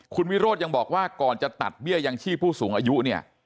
คุณวิโรธยังบอกว่าก่อนจะตัดเบี้ยยังชีพผู้สูงอายุเนี่ย